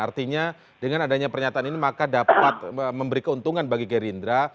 artinya dengan adanya pernyataan ini maka dapat memberi keuntungan bagi gerindra